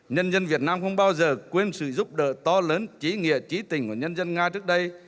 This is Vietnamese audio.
nhân dân việt nam không bao giờ quên sự giúp đỡ to lớn trí nghĩa trí tình của nhân dân nga trước đây